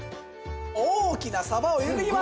大きなサバを入れていきます。